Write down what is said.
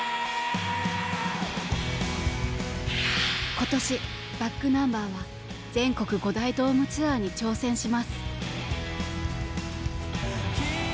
今年ｂａｃｋｎｕｍｂｅｒは全国５大ドームツアーに挑戦します。